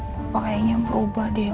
papa kayaknya berubah deh